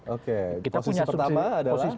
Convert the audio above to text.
oke posisi pertama adalah